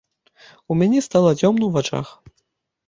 У мяне стала цёмна ў вачах.